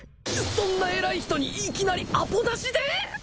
そんな偉い人にいきなりアポなしで！？